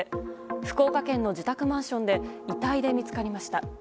福岡県の自宅マンションで遺体で見つかりました。